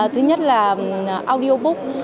thứ nhất là audiobook